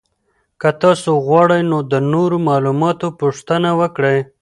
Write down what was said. که تاسو غواړئ نو د نورو معلوماتو پوښتنه وکړئ.